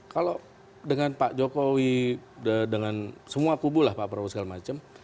kalau dengan pak jokowi dengan semua kubu lah pak prabowo segala macam